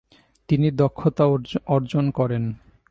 তিনি দক্ষতা অর্জন করেন।